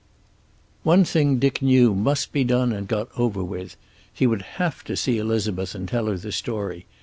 XLVI One thing Dick knew must be done and got over with. He would have to see Elizabeth and tell her the story.